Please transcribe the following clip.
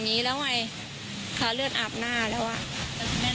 แล้วที่แม่ได้คิดอะไรกับลูกบ้าง